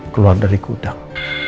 keluar dari gudang